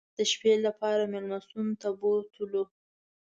د شپې لپاره مېلمستون ته بوتلو.